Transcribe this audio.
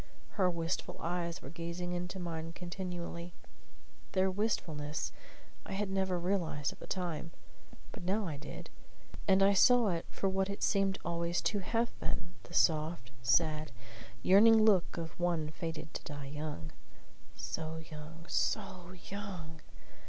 Her wistful eyes were gazing into mine continually. Their wistfulness I had never realized at the time; but now I did; and I saw it for what it seemed always to have been, the soft, sad, yearning look of one fated to die young. So young so young!